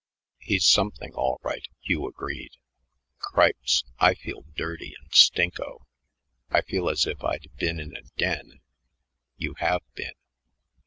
"He's something all right," Hugh agreed. "Cripes, I feel dirty and stinko. I feel as if I'd been in a den." "You have been.